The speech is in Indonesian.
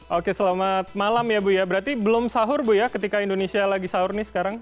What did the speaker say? oke selamat malam ya bu berarti belum sahur ya ketika indonesia lagi sahur sekarang